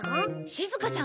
しずかちゃん